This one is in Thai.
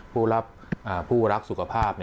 ผู้รับผู้รักสุขภาพ